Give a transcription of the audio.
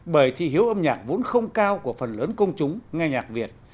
bởi thị hiếu âm nhạc vốn không cao của phần lớn công chúng nghe nhạc việt